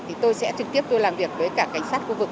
thì tôi sẽ trực tiếp tôi làm việc với cả cảnh sát khu vực